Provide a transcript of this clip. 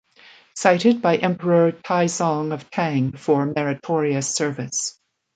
Cited by Emperor Taizong of Tang for meritorious service